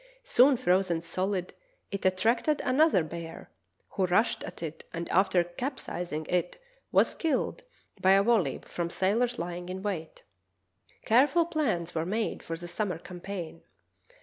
Soon frozen solid, it attracted another bear, who rushed at it and after cap sizing it was killed by a volley from sailors lying in wait. Careful plans were made for the summer campaign.